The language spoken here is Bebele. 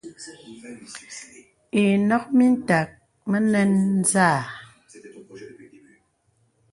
Ìnɔ̄k mìtak mə nɛn zâ.